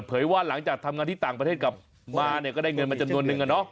ว่าหลังจากทำงานที่ต่างประเทศกลับมาเนี่ยก็ได้เงินมาจำนวนนึง